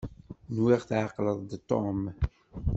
Nwiɣ tɛeqleḍ-d Tom.